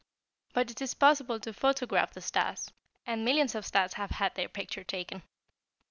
But it is possible to photograph the stars, and millions of stars have had their pictures taken.